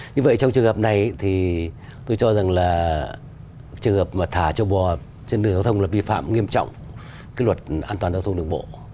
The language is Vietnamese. như vậy trong trường hợp này thì tôi cho rằng là trường hợp mà thả cho bò trên đường giao thông là vi phạm nghiêm trọng cái luật an toàn giao thông đường bộ